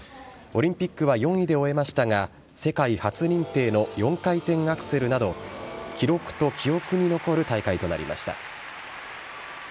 オリンピックは４位で終えましたが、世界初認定の４回転アクセルなど、記録と記憶に残る大会となりました。